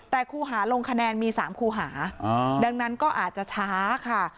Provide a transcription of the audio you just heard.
แต่ครูหาลงคะแนนมี๓คู่หาดังนั้นก็อาจจะช้าค่ะ